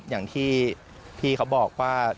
อย่างที่พี่เขาบอกว่า